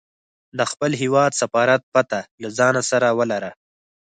د خپل هیواد سفارت پته له ځانه سره ولره.